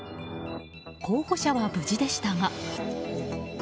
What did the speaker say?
候補者は無事でしたが。